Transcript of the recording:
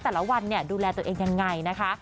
แต่ละวันดูแลตัวเองยังไงนะคะ